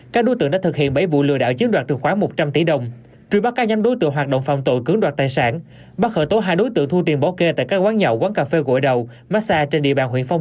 các đối tượng đã thực hiện bảy vụ lừa đảo chiếm đoạt trường khoáng một trăm linh tỷ đồng